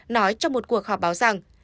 nói trong một cuộc họp báo rằng